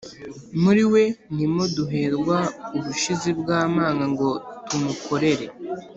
Muri we ni mo duherwa ubushizi bw’amanga ngo tumukorere